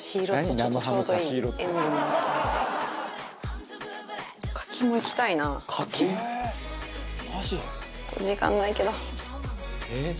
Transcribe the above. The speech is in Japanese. ちょっと時間ないけど。